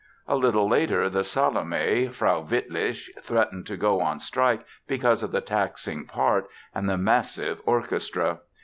A little later the Salome, Frau Wittich, threatened to go on strike because of the taxing part and the massive orchestra.